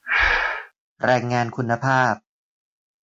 แรงงานคุณภาพ